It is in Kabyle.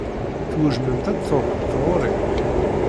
Twejdemt ad d-tṛuḥemt ɣuṛ-i?